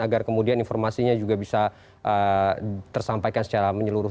agar kemudian informasinya juga bisa tersampaikan secara menyeluruh